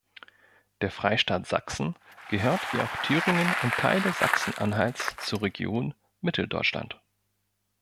Der Freistaat Sachsen gehört wie auch Thüringen und Teile Sachsen-Anhalts zur Region Mitteldeutschland.